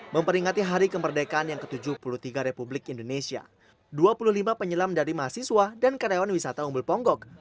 memperingati hari kemerdekaan yang ke tujuh puluh tiga republik indonesia dua puluh lima penyelam dari mahasiswa dan karyawan wisata umbul ponggok